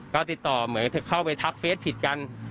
ก็ติดต่อเหมือนเข้าไปทักเฟสผิดกัน